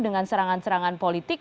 dengan serangan serangan politik